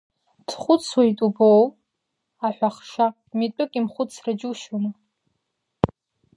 Дхәыцуеит убауоу, аҳәахша, митәык имхәыцра џьушьома!